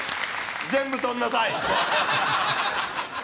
全部取んなさい！